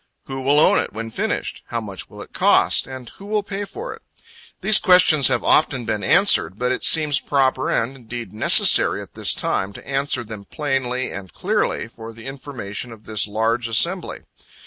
'Who will own it, when finished?' 'How much will it cost? and who will pay for it?'" These questions have often been answered, but it seems proper, and indeed necessary, at this time to answer them plainly and clearly, for the information of this large assembly.